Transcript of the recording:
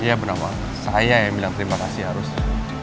iya bunda wang saya yang bilang terima kasih harusnya